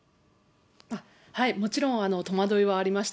もちろん戸惑いはありました。